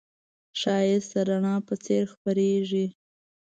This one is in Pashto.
ښایست د رڼا په څېر خپرېږي